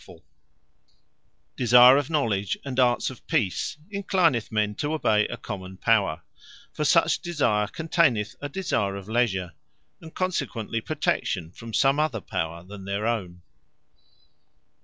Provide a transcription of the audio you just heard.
And From Love Of Arts Desire of Knowledge, and Arts of Peace, enclineth men to obey a common Power: For such Desire, containeth a desire of leasure; and consequently protection from some other Power than their own.